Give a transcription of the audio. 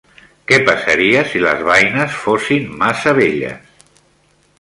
Què passaria si les beines fossin massa velles?